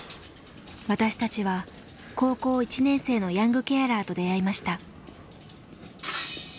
私たちは高校１年生のヤングケアラーと出会いました。